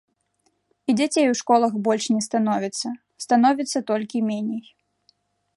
І дзяцей у школах больш не становіцца, становіцца толькі меней.